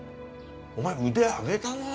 お前腕上げたな！